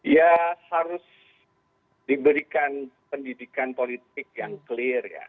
ya harus diberikan pendidikan politik yang clear ya